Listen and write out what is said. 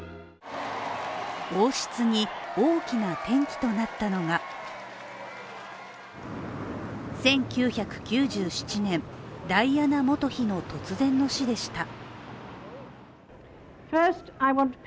王室に大きな転機となったのが１９９７年、ダイアナ元妃の突然の死でした。